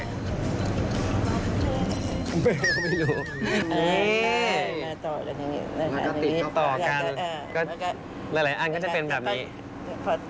ก็หลายอันก็จะเป็นแบบนี้